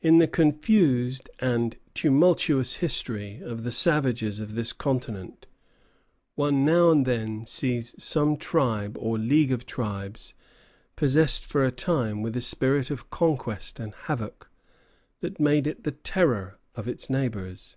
In the confused and tumultuous history of the savages of this continent one now and then sees some tribe or league of tribes possessed for a time with a spirit of conquest and havoc that made it the terror of its neighbors.